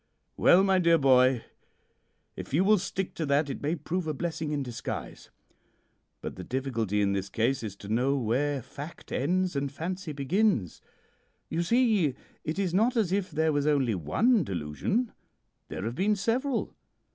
"'Well, my dear boy, if you will stick to that it may prove a blessing in disguise. But the difficulty in this case is to know where fact ends and fancy begins. You see, it is not as if there was only one delusion. There have been several.